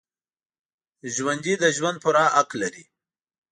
ژوندي د ژوند پوره حق لري